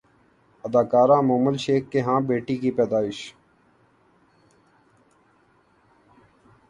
اداکارہ مومل شیخ کے ہاں بیٹی کی پیدائش